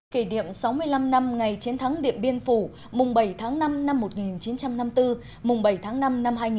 kỳ điểm sáu mươi năm năm ngày chiến thắng điện biên phủ mùng bảy tháng năm năm một nghìn chín trăm năm mươi bốn mùng bảy tháng năm năm hai nghìn một mươi chín